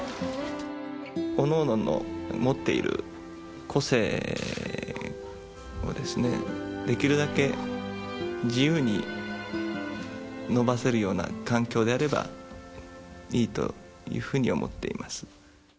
おのおのの持っている個性を、できるだけ自由に伸ばせるような環境であればいいというふうに思っています。